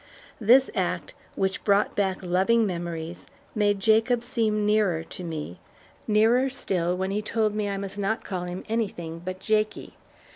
This act, which brought back loving memories, made Jacob seem nearer to me; nearer still when he told me I must not call him anything but Jakie.